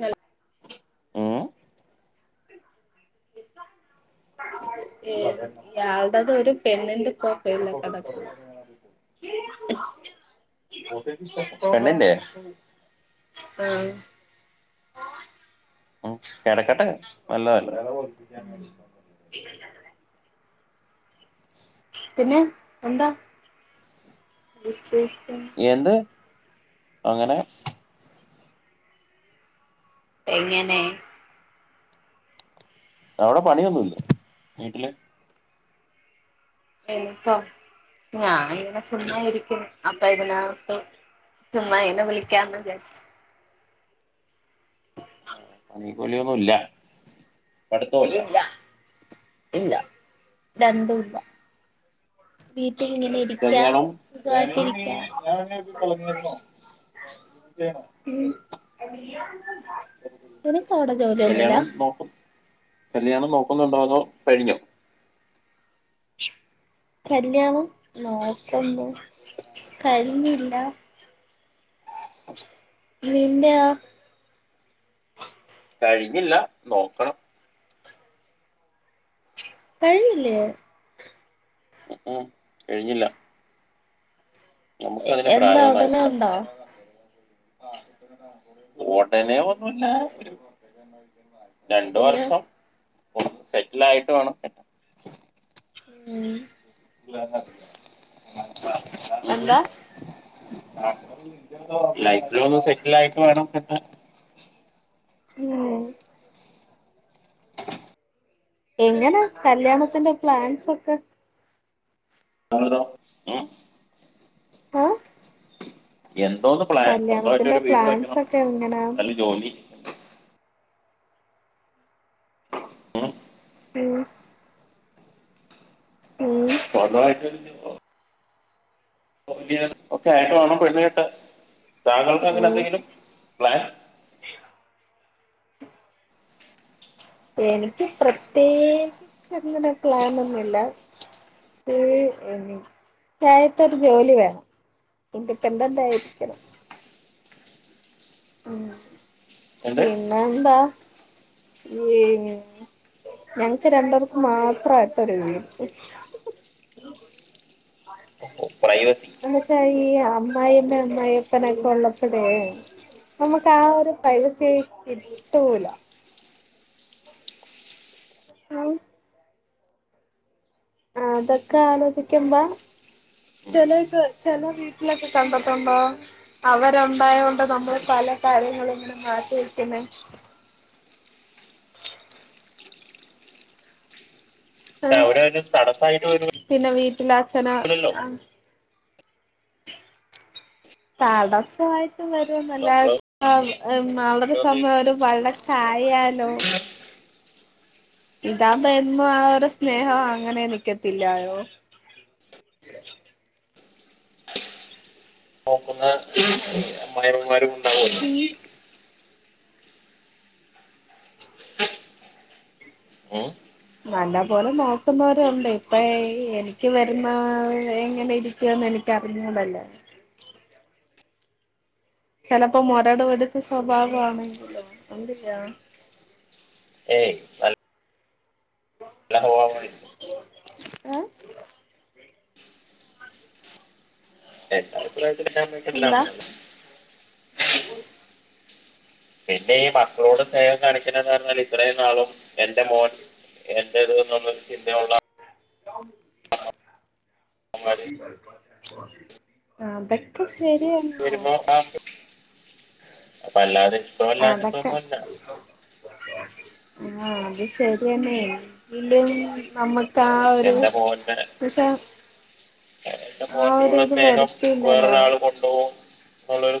Hello ഏ ഏ ഇയാള്ടെതോരു പിന്നെത് ഫോട്ടോഷപ്പെട്ട പണ്ണല്ലേ ഫോട്ടോഷപ്പെട്ട പണ്ണല്ലേ സഹി ഉം കിടക്കട്ടെ നല്ലതല്ലേ അതാ ഇരിക്കാൻ കഴിയിലാനാ [unintelligible] പിന്നെ എന്താ വിസെ എന്ത് അങ്ങനെ എങ്ങനെ അവിടെ പണിയൊന്നുല്ലേ വീട്ടില് ഇനിപ്പോ ഞാനിങ്ങനെ ചുമ്മാ ഇരിക്കുന്നു അപ്പൊ ഇതിനകത്ത് ചുമ്മാ ഇനെ വിളിക്കാന്ന് വിചാരിച്ച് [unintelligible] കൂലിയൊന്നുല്ല പഠിത്തവല്ല ഇല്ല ഇല്ല രണ്ടൂല്ല വീ കല്ല്യാണം വേണങ്കി നീ [unintelligible] സാഹചര്യം ഉം എല്ലാ [unintelligible] നിനക്കവിടെ ജോലിയൊന്നുല്ല കല്ല്യാണം നോക്കുന്നുണ്ടോ അതോ കഴിഞ്ഞോ കല്ല്യാണം നോക്കുന്നു കഴിഞ്ഞില്ല മിന്നാ കഴിഞ്ഞില്ല നോക്കണം കഴിഞ്ഞില്ലേ ഉം ഉം കഴിഞ്ഞില്ല നമുക്ക് അതിന് എന്താ ഒടനേ ഒണ്ടോ ഒടനേ [unintelligible] [inaudible] രണ്ടു പിന്നെ വർഷം ഒന്ന് സെറ്റിൽ ആയിട്ട് വേണംട്ട ഉം [unintelligible] എന്താ അ ലൈഫില ഒന്ന് സെറ്റിൽ ആയിട്ട് വേണം പിന്നെ ഉം എങ്ങനെ കല്യാണത്തിന്റെ പ്ലാൻസ് ഒക്കെ? [unintelligible] ഉം ആഹ് എന്തോന്ന് പ്ലാൻ സ്വന്തമായിട്ട് ഒരു വീട് പ്ലാൻസ് വെക്കണം ഒക്കെ എങ്ങനാന്ന് നല്ല ജോലി. ഉം ഉം ഉം സ്വന്തമായിട്ടൊരു ജോ [unintelligible] ഓക്കെ ആയിട്ട് വേണം പെണ്ണ് കെട്ടാൻ താങ്കൾക്ക് അങ്ങനെ ഉം എന്തെങ്കിലും പ്ലാൻ? എനിക്ക് പ്രത്യേകിച്ചങ്ങനെ പ്ലാനൊന്നുമില്ല ഏഹ് എനിക്കായിട്ടൊരു ജോലി വേണം ഇനിഡിപെൻഡന്റ് ആയിരിക്കണം. ഉം എന്ത് പിന്നെ എന്താ ഉം ഞങ്ങക്ക് രണ്ടേർക്ക് മാത്രമായിട്ടൊരു വീട് പ്രൈവസി എന്ന് വെച്ചാ ഈ അമ്മായിമ്മേ അമ്മായപ്പനൊക്കെ ഉള്ളപ്പോളെ നമക്ക് ആ ഒരു പ്രൈവസി കിട്ടൂല ആ അതൊക്കെ ആലോചിക്കുമ്പോ ചിലപ്പോ ചില വീട്ടിലൊക്കെ കണ്ടിട്ടുണ്ടോ അവരുണ്ടായൊണ്ട് നമ്മൾ പല കാര്യങ്ങളും ഇങ്ങനെ മാറ്റിവയ്ക്കുന്നെ. ആഹ് അവര ഒരു തടസ്സായിട്ട് ഒരു ഇളാച്ചന ആ തടസായി വരുന്നല്ല നമ്മള് അം നാളൊരു കൊണ്ടുവന്ന് സമയം ഒരു വഴക്കായാലോ ഇതാമ്പോ എന്നും ആ ഒരു സ്നേഹം അങ്ങനെ നിക്കത്തില്ലായോ നോക്കുന്ന അമ്മായമ്മമാരും ഉം ഉം നല്ല പോലെ നോക്കുന്നവരുണ്ട് ഇപ്പ എനിക്ക് വരുന്ന എങ്ങനെ ഇരിക്കുവന്ന് എനക്ക് അറിഞ്ഞൂടല്ലോ ചെലപ്പോ മുരട്പടിച്ച സ്വഭാവ ആണെങ്കിലോ എന്ത്യ്യാ ഏയ് അല് [unintelligible] ഏ എന്റെ അഭിപ്രായ എന്താ [unintelligible] പിന്നെ ഈ മക്കളോട് സ്നേഹം കാണിക്കണ്ടാന്ന് പറഞ്ഞാൽ ഇത്രയും നാളും എൻറെ മോൻ എന്റെത് ന്നുള്ളര് ചിന്തയുള്ള അമ്മമാര് ആഹ് [unintelligible] ശരി എന്നാ അപ്പ അല്ലാതെ സൊ അല്ലാഞ്ഞിട്ടൊന്നു അല്ല ആ അത് ശരിയന്നെ എങ്കിലും നമ്മ എന്റെ മോന്റെ എന്റെ ആ മോന്റെ ഒരു ഉള്ള ഇത് സ്നേഹം വരത്തില്ലല്ലോ വേറൊരാള് കൊണ്ടു പോകും ന്ന് ഉള്ളൊരു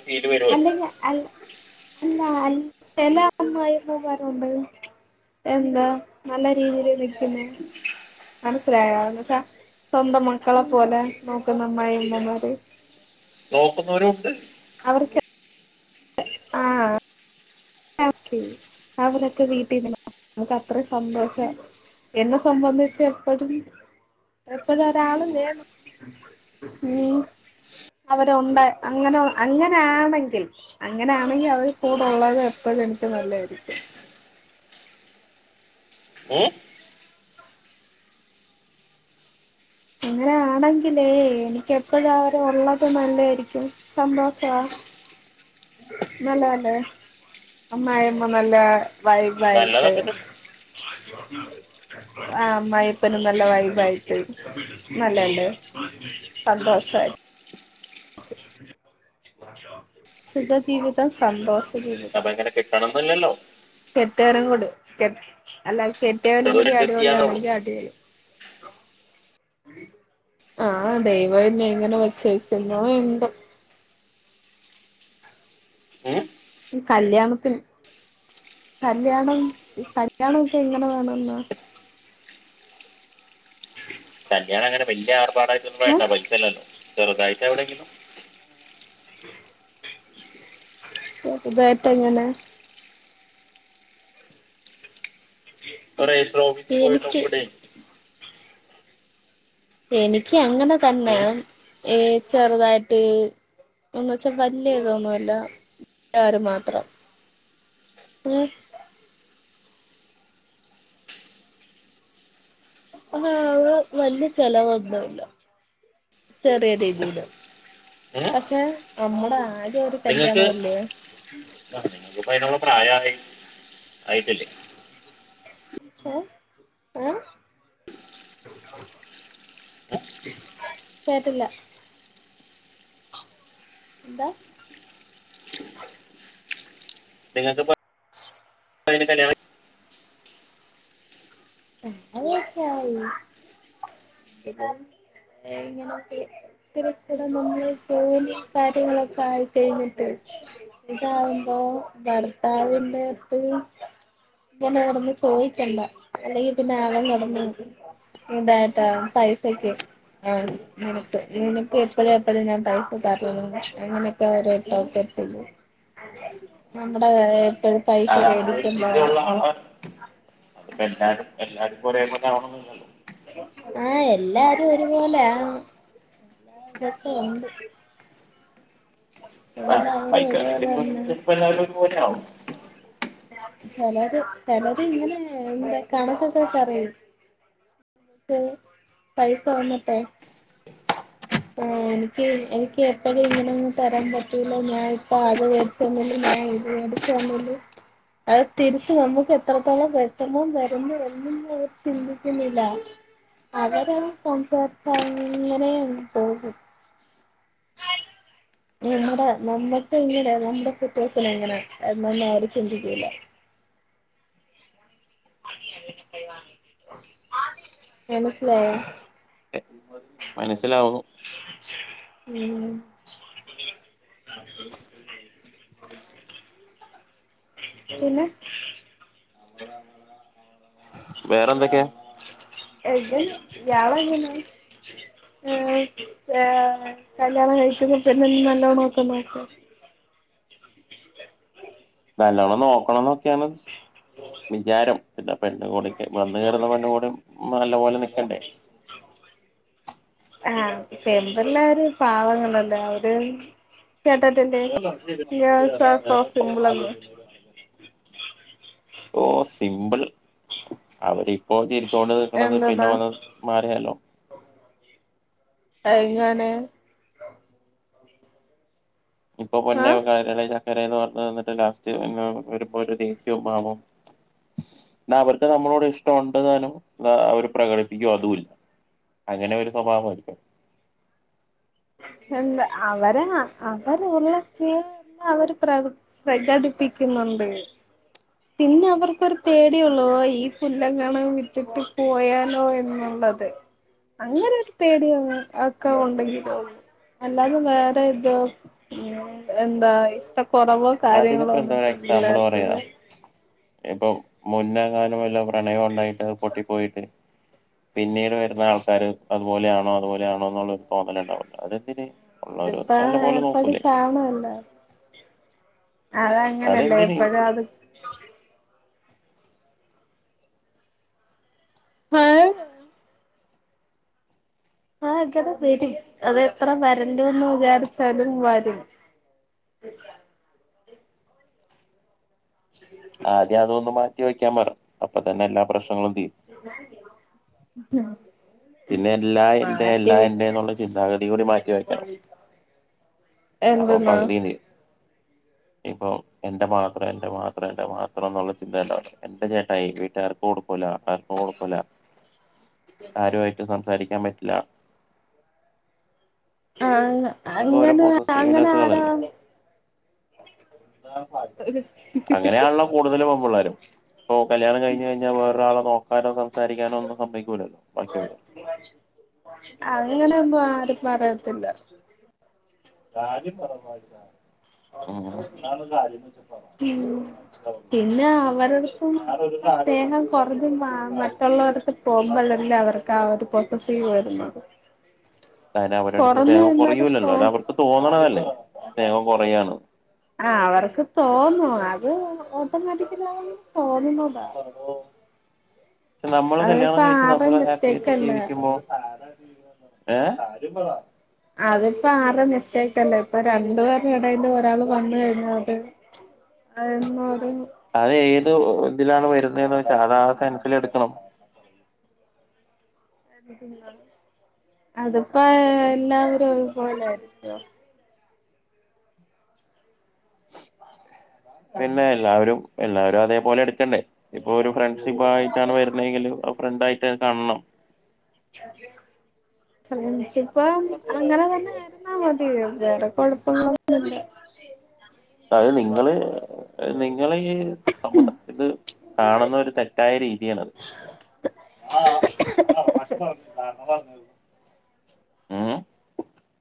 അല്ലെങ്കി അൽ ലാ ചെല അമ്മായിമ്മമാരുണ്ട് എന്താ നല്ല രീതിൽ നിക്കുന്നേ മനസിലായോ എന്ന്ച്ചാ സ്വന്തം മക്കളെ പോലെ നോക്കുന്ന അമ്മായിമ്മ മാര് നോക്കുന്നവരും ഉണ്ട് അവർക്കെ [unintelligible] അവരൊക്കെ വീട്ടിൽന്ന് നമുക്ക് അത്രയും സന്തോഷം എന്നെ സംബന്ധിച്ച് എപ്പഴും എപ്പഴും ഒരാള് വേണം ഊം അവരുണ്ട് അങ്ങനെ അങ്ങനെയാണെങ്കിൽ അങ്ങനെയാണെങ്കിൽ അവര് കൂടെള്ളത് എ പ്പഴും എനിക്ക് നല്ലെയായിരിക്കും മ് അങ്ങനാണെങ്കിലേ എനിക്ക് എപ്പഴും അവര് ഉള്ളത് നല്ലായിരിക്കും സന്തോഷവാ നല്ലതല്ലേ അമ്മായി അമ്മ നല്ല വൈബായിട്ട് നല്ലതൊക്കെ തന്നെ ആഹ് അമ്മായി അപ്പനും നല്ല വൈബായിട്ട് നല്ലയല്ലേ സന്തോഷായി സുഖജീവിതം സന്തോ അപ്പ എങ്ങനെ കെട്ടണം ന്ന് ഇല്ലല്ലോ കെട്ടുകാരം കൊട് കെ അല്ല കെട്ടിയവനും ചെറുതൊരു കൂടി അഡ്ജസ്റ്റ് അടിപൊളി ചെയ്യാനേ ഉള്ളൂ ആണെങ്കിൽ അടിപൊളി ആഹ് ദൈവം ഇനി എങ്ങനെ വച്ചേക്കുന്നൊ എന്തോ ഉം കല്യാണത്തിന് കല്യാണം കല്യാണമൊക്കെ എങ്ങനെ വേണം ന്നാ ഞാൻ അങ്ങന വല്യ ആർ ഭാടായിട്ടൊന്നും ഏ വേണ്ട പൈസല്ലല്ലോ ചെറുതായിട്ട് എവിടെയെങ്കിലും ചെറുതായിട്ട് എങ്ങനെ ഒ രജിസ്റ്റർ ഓഫീസിൽ പോയിട്ട് എനിക്ക് ഒപ്പിടെ എനിക്ക് അങ്ങനെ ത്തന്നെ ഉം ഏ ചെറുതായിട്ട് ഒന്ന് ചെറുതായിട്ട് [unintelligible] അല്ല [unintelligible] മാത്രം അതാവുസം വല്ല്യ ചെലവൊന്നുല്ല ചെറിയ രീതിയില് ഉം പഷെ നമ്മുട ആര് ഈ ഒരു കല്യാണ നിങ്ങൾക്ക് അല്ലേ പ്രായ ആയി ആയിട്ടില്ലെ എ എ കേട്ടില്ല എന്താ നിങ്ങക്ക്പ്പ അയിന് കല്യാണ് [inaudible] അല്ലെങ്കി പിന്നെ അവൻ കടം തന്നത് നീ യെന്താട്ട് ആ അങ്ങനെ ഒരു ചിന്ത ഉള്ള ആളാണ് [unintelligible] പെ എല്ലാരും എല്ലാരും [inaudible] ആ എല്ലാരും ഒരുപോലെ ആണ് എന്റട്ത് ഉണ്ട് ആ എല്ലാവരും ഒരുപോലെ അയിക്കാണെങ്കിൽ ഇപ്പം തന്നെ [unintelligible] പൊര്ആവും സെലറി സെലറി ഇങ്ങനെ എന്താ കണക്കൊക്കെ വെച്ചറിയോ [unintelligible] ഏ എനിക്ക് എനിക്ക് എപ്പഴും ഇങ്ങനെയൊന്നും തരാൻ പറ്റൂലല്ലോ ഞാൻ ഇപ്പ ആകെ മേട്ച്ചെന്നില്ലേ ഞാൻ ഇത് മേടിച്ചെ ന്നില്ലെ അത് തിരിച്ച് നമുക്ക് എത്രത്തോളം വിഷമം വരുന്നു എന്ന് പോലും ചിന്തിക്കുന്നില്ല അവര് ഓ ഹെ നമ്മുടെ നമ്മക്ക് ഇങ്ങനെ നമ്മുട സിറ്റുവേഷൻ എങ്ങനെ എന്നെന്നു ആര് ചിന്തിക്കൂല [inaudible] മെനസിലായോ മനസ്സിലാവുന്നു പിന്നെ പിന്നെ വേറെന്തൊക്കെയാ [inaudible] നല്ലോണം നോക്കണംന്നൊക്കെയാണ് വിചാരം പിന്നെ പെണ്ണ് [unintelligible] വന്ന് കേറ്ന്ന പെണ്ണ് കൂടിം നല്ല പോലെ നി ക്കണ്ടെ ആ പെമ്പിള്ളേര് പാവങ്ങളല്ലെ അവര് കേട്ടിട്ടില്ലേ [inaudible] ഗേൾസ് ആർ സോ സിമ്പിൾ എന്ന് ഓ സിമ്പിൾ അവരിപ്പോതില് ചോണ്ട് നിക്ക്ണത് പിന്നെ എന്തതാ വന്ന് [unintelligible] എങ്ങനെ ഇപ്പൊ പൊന്നെ ആഹ് ഓ കരളേന ന്ന് പറഞ്ഞത് തന്നിട്ട് ലാസ്റ്റ് വരുമ്പോ ദേശീവും ഭാവവും എന്ന അവർക്ക് നമ്മളോട് ഇഷ്ടം ഉണ്ടാനും അവര് പ്രകടിപ്പിക്കും അതുമല്ല അങ്ങനെ ഒരു സ്വഭാവമായിരിക്കും എന്താ അവരാ അവരുള്ള സ്ത്രീ എല്ലാം അവര് പ്ര പ്രകടിപ്പിക്കുന്നുണ്ട് പിന്നെ അവർക്കൊരു പേടിയള്ളോ ഈ പുല്ല കണ വിട്ടിട്ട് പോയാലോ എന്നുള്ളത് അങ്ങനെരു പേടിയോ ഒക്കെ ഉണ്ടെങ്കില അല്ലാതെ വേറെ ഇതോ ഉ എന്താ കുറവോ കാര്യങ്ങളോ അതിനിപ്പോ ഒന്നിട്ടള്ളർക്കല്ലേ ഇപ്പം മുന്നേകാലോ വല്ലോം പ്രണയം ഉണ്ടായിട്ട് പൊട്ടിപ്പോയിട്ട് പിന്നീട് വരുന്ന ആൾക്കാര് അതുപോലെയാണോ അതുപോലെയാണോ എന്നുള്ളരു തോന്നല ഉണ്ടാവല്ലോ അതെന്തര് ഇപ്പാ എളുപ്പതി കാണാലോ അതങ്ങനെയല്ലേ അതെന്തിന് എപ്പഴും അത് ആഹ് ആഹ് അങ്ങനെ വരും അത് എത്ര വരണ്ടുന്ന് വിചാരിച്ചാലും വരും ആദ്യം അതൊന്ന് മാറ്റി വെക്കാൻ അപ്പൊ തന്നെല്ലാ പ്രശ്നം ആഹ് പിന്നെ എല്ലാ എന്റെ എല്ലാ എന്റെ എന്നുള്ള ചിന്താഗതി കൂടി മാറ്റി വെക്കണം അപ്പൊ എന്തെന്നാ പകുതിം തീരും ഇപ്പം എന്റെ മാത്ര എന്റെ മാത്ര എന്റെ മാത്ര ണം എന്ന ചിന്തണ്ട എന്റെ ചേട്ടായി വീട്ടുകാർക്ക് കൊടുക്കൂല ആർക്കും കൊടുക്കൂല വിദ്യ സി ആരുമായിട്ട് സംസാരിക്കാൻ പറ്റില്ല ആങ്ങ അതൊക്കെ ഓരോ അങ്ങനെ അങ്ങനെ ആരാ പോസസീവ്നെസ്സുകളല്ലേ അങ്ങനെയാണല്ലോ കൂടുതല് [unintelligible] ഇപ്പൊ കല്യാണം കഴിഞ്ഞഴിഞ്ഞാ വേറൊരാളെ നോക്കാനോ സംസാരിക്കാനോ ഒന്നും സമ്മയിക്കൂലല്ലോ ബാക്കിയുള്ളോര് അങ്ങനൊന്നും ആരും പറയത്തില്ല കര്യം മറന്നോ [unintelligible] ഉം പിന്നെ അവരട്ത്ത്ന്ന്ള്ള സ്നേഹം കൊറഞ്ഞ് മാ മറ്റുള്ളവരെട്ത്ത് പോവുമ്പള്ളല്ലേ അവർക്ക് ആ ഒരു പൊസ്സസീവ്‌ വര്ന്നത് തല അവരടുത്ത് സ്നേഹം കൊറയൂല്ലല്ലോ അത് അവർക്ക് തോന്ന്ണതല്ലേ സ്നേഹം കൊറയാണ് ആ അവർക്ക് തോന്നും അത് ഓട്ടോമാറ്റിക്കലായന്ന് തോ നിന്നതാ പക്ഷെ നമ്മള് കല്യാണം കഴിച്ച് നമ്മള് മിസ്റ്റേക്ക് ഹാപ്പിയായിട്ട് അല്ല ജീവിക്കുമ്പോ ഏ അതിപ്പോ ആരെ മിസ്റ്റേക്കല്ലേ ഇപ്പൊ രണ്ടുപേരുടെ എടേയിലു ഒരാള് വന്ന് കഴിഞ്ഞാ പിന്നെ [unintelligible] അത് ഏത് ഇതിലാണ് വരുന്നേന്നു വെച്ചാ അതാ സെൻസിലെടുക്കണം അതിപ്പൊ എല്ലാവരും ഒരു പോലൊയിരിക്കോ പിന്നെ എല്ലാവരും എല്ലാരും അതേപോലെ എടുക്കണ്ടേ ഇപ്പൊ ഒരു ഫ്ര [unintelligible] ആയിട്ടാണ് വരുന്നെങ്കില് ഫ്രണ്ടായി [unintelligible] [unintelligible] പ്പം അങ്ങനെ തന്നെ ഇരന്നാ മതി വേറെ കൊഴ [unintelligible] അത് നിങ്ങള് [unintelligible] [unintelligible] നിങ്ങള് [unintelligible] [unintelligible] ഇത് കാണുന്ന ഒരു തെറ്റായ രീതിയാണത് [unintelligible] [unintelligible]